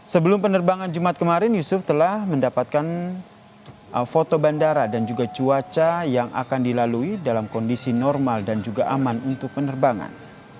sebelum penerbangan jumat kemarin yusuf telah mendapatkan foto bandara dan juga cuaca yang akan dilalui dalam kondisi normal dan juga aman untuk penerbangan